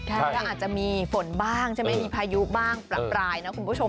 แล้วอาจจะมีฝนบ้างใช่ไหมมีพายุบ้างประปรายนะคุณผู้ชม